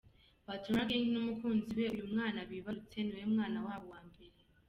Patoranking n’umukunzi we, uyu mwana bibarutse ni we mwana wabo wa mbere.